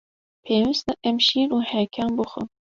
Pêwîst e em şîr û hêkan bixwin.